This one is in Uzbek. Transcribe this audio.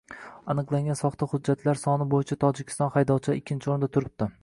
Aniqlangan soxta hujjatlar soni bo‘yicha Tojikiston haydovchilari ikkinchi o‘rinda turibdi